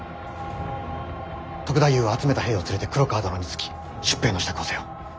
篤太夫は集めた兵を連れて黒川殿につき出兵の支度をせよ。